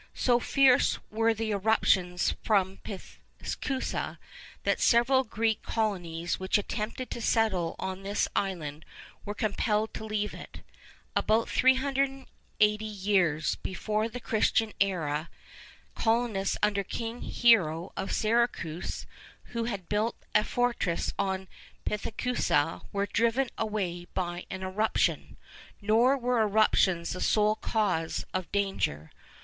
So fierce were the eruptions from Pithecusa, that several Greek colonies which attempted to settle on this island were compelled to leave it. About 380 years before the Christian era, colonists under King Hiero of Syracuse, who had built a fortress on Pithecusa, were driven away by an eruption. Nor were eruptions the sole cause of danger.